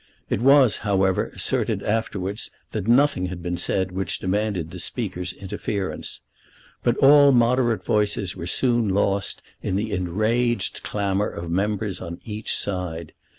It was, however, asserted afterwards that nothing had been said which demanded the Speaker's interference. But all moderate voices were soon lost in the enraged clamour of members on each side.